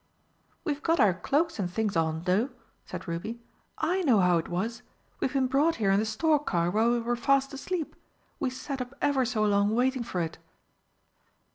"We've got our cloaks and things on, though," said Ruby. "I know how it was! We've been brought here in the stork car while we were fast asleep. We sat up ever so long waiting for it."